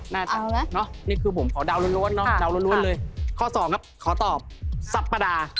น่าจะเอาละนี่คือผมขอดาวนู่นเลยข้อสองครับขอตอบสัปดาห์